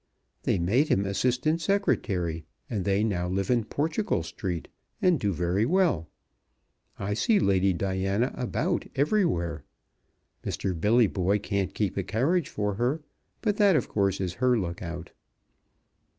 They made him Assistant Secretary, and they now live in Portugal Street and do very well. I see Lady Diana about everywhere. Mr. Billyboy can't keep a carriage for her, but that of course is her look out.